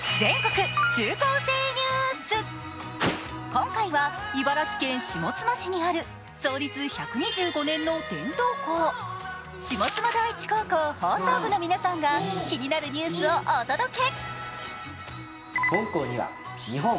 今回は茨城県下妻市にある創立１２５年の伝統校、下妻第一高校放送部の皆さんが気になるニュースをお届け。